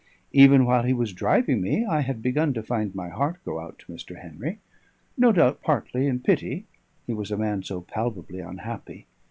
Even while he was driving me, I had begun to find my heart go out to Mr. Henry; no doubt, partly in pity, he was a man so palpably unhappy.